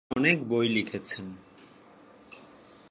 তিনি অনেক বই লিখেছেন।